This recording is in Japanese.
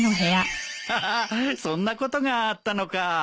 ハハッそんなことがあったのか。